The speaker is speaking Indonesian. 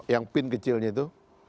yang pin kecilnya tuh